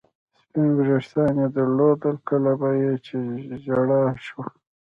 سپین وریښتان یې درلودل، کله به چې په ژړا شوه.